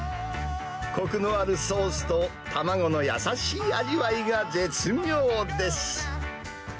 こくのあるソースと、卵の優しい味わいが絶妙です。